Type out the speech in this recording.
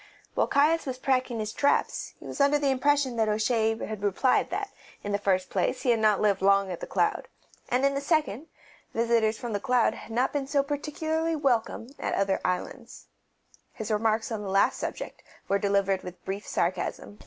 While Caius was packing his traps he was under the impression that O'Shea had replied that, in the first place, he had not lived long at The Cloud, and, in the second, visitors from The Cloud had not been so particularly welcome at the other islands. His remarks on the last subject were delivered with brief sarcasm.